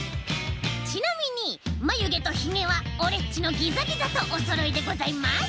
ちなみにまゆげとひげはオレっちのギザギザとおそろいでございます。